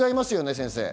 先生。